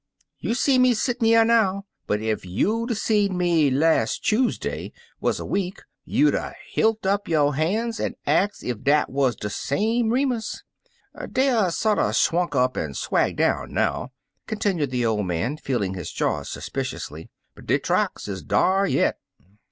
You sees me sittin' jrer now, but ef you'd er seed me las' Chuseday wuz er week, you'd er hilt up yo' ban's an' ax ef dat wuz de same Remus. Deyer sorter swunk up an' swage down, now," contin ued the old man, feeling his jaws suspi ciously, "but dey tracks is dar yit."